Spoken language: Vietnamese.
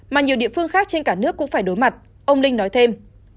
mà nhiều địa phương khác trên cả nước cũng phải đối mặt ông linh nói thêm